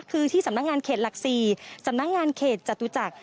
คือที่สำนักงานเขตหลัก๔สำนักงานเขตจตุจักร